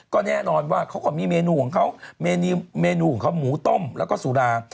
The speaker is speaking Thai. ก็แน่นอนว่าเขาก็มีเมนูของเขามูต้มแล้วก็สุรา